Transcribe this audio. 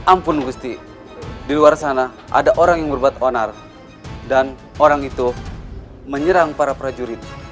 ampun gusti di luar sana ada orang yang berbuat onar dan orang itu menyerang para prajurit